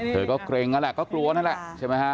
เธอก็เกร็งนั่นแหละก็กลัวนั่นแหละใช่ไหมฮะ